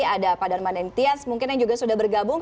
ada pak darmanin tias mungkin yang juga sudah bergabung